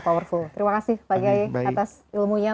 terima kasih pak ghai atas ilmunya